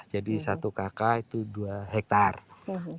jadi satu kakah itu dua hektare